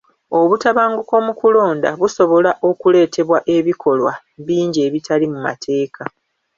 Obutabanguko mu kulonda busobola okuleetebwa ebikolwa bingi ebitali mu mateeka.